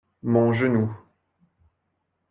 Mon genou.